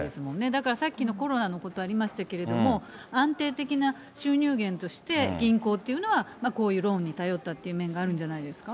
だからさっきのコロナのことありましたけれども、安定的な収入源として、銀行というのは、こういうローンに頼ったっていう面があるんじゃないですか。